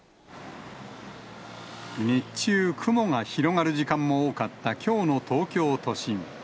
日中、雲が広がる時間も多かったきょうの東京都心。